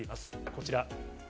こちら。